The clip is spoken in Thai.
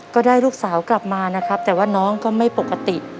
ก็ได้ลูกสาวกลับมานะครับแต่ว่าน้องก็ไม่ปกติ